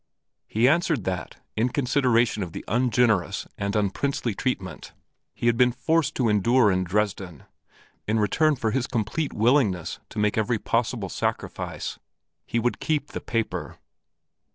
He answered that, in consideration of the ungenerous and unprincely treatment he had been forced to endure in Dresden in return for his complete willingness to make every possible sacrifice, he would keep the paper.